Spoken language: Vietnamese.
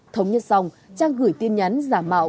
thống nhất xong trang gửi tin nhắn giả mạo